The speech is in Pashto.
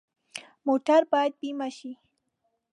موټر باید بیمه شي.